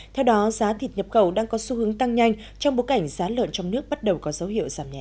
theo đó giá thịt nhập khẩu đang có xu hướng tăng nhanh trong bối cảnh giá lợn trong nước bắt đầu có dấu hiệu giảm nhẹ